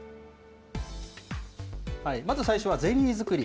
まず最初はゼリー作り。